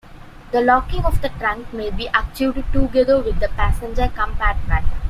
The locking of the trunk may be achieved together with the passenger compartment.